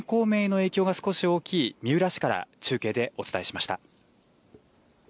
観光面への影響が少し大きい三浦市から中継でお伝えしました。